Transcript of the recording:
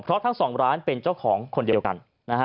เพราะทั้งสองร้านเป็นเจ้าของคนเดียวกันนะฮะ